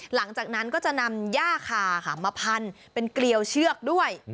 หลังจากนั้นก็จะนำย่าคาค่ะมาพันเป็นเกลียวเชือกด้วย